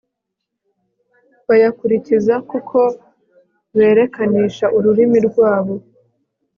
bayakurikiza kuko berekanisha ururimi rwabo